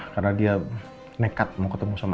karena dia nekat mau ketemu sama andin